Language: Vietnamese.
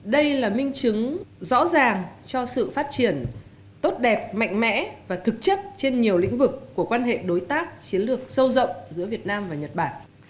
đây là minh chứng rõ ràng cho sự phát triển tốt đẹp mạnh mẽ và thực chất trên nhiều lĩnh vực của quan hệ đối tác chiến lược sâu rộng giữa việt nam và nhật bản